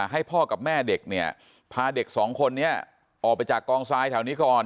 ให้พ่อกับแม่เด็กเนี่ยพาเด็กสองคนนี้ออกไปจากกองทรายแถวนี้ก่อน